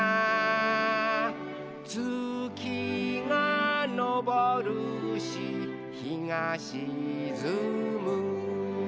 「つきがのぼるしひがしずむ」